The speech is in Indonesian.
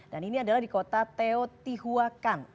dan ini adalah di kota teotihuacan